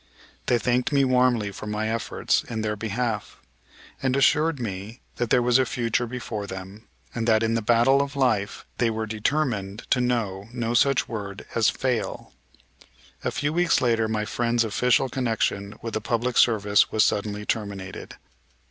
They thanked me warmly for my efforts in their behalf, and assured me that there was a future before them, and that in the battle of life they were determined to know no such word as "fail." A few weeks later my friend's official connection with the public service was suddenly terminated.